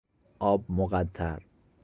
آب مقطر